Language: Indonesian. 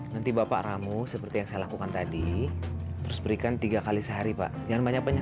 sampai jumpa di video selanjutnya